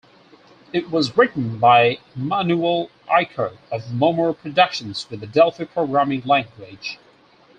It was written by Emmanuel Icart of Momor Productions with the Delphi programming language.